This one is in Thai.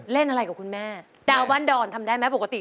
เล่นอะไรกับคุณแม่ดาวบ้านดอนทำได้ไหมปกติ